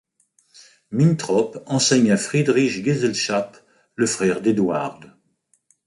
Mintrop enseigne à Friedrich Geselschap, le frère d'Eduard.